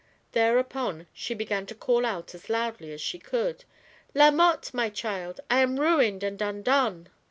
There upon she began to call out as loudly as she could "La Mothe, my child, I am ruined and un done